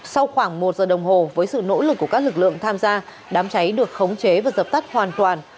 sau khoảng một giờ đồng hồ với sự nỗ lực của các lực lượng tham gia đám cháy được khống chế và dập tắt hoàn toàn